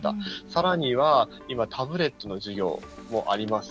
さらには、今タブレットの授業もあります。